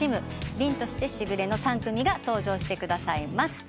凛として時雨の３組が登場してくださいます。